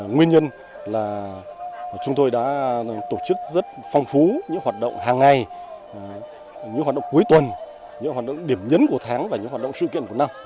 nguyên nhân là chúng tôi đã tổ chức rất phong phú những hoạt động hàng ngày những hoạt động cuối tuần những hoạt động điểm nhấn của tháng và những hoạt động sự kiện của năm